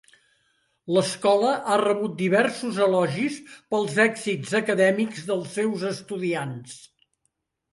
L"escola ha rebut diversos elogis pels èxits acadèmics dels seus estudiants.